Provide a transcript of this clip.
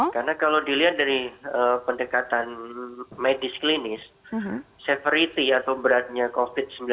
karena kalau dilihat dari pendekatan medis klinis severity atau beratnya covid sembilan belas itu terbagi atas beberapa